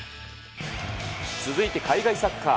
続いて海外サッカー。